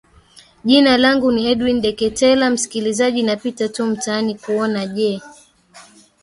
jina langu ni edwin deketela msikilizaji napita tu mtaani kuona je